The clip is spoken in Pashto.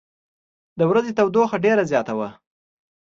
د ورځې تودوخه ډېره زیاته وه.